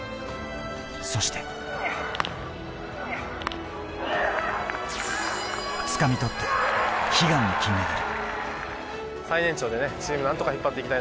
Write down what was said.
そして、つかみとった悲願の金メダル。